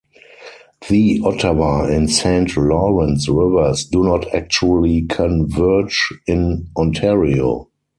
The Ottawa and Saint Lawrence Rivers do not actually converge in Ontario.